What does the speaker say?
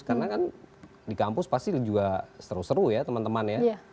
karena kan di kampus pasti juga seru seru ya teman teman ya